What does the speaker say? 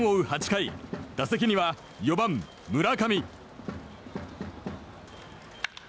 ８回打席には４番、村上。